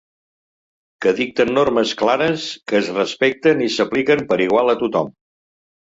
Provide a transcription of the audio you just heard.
Que dicten normes clares, que es respecten i s’apliquen per igual a tothom.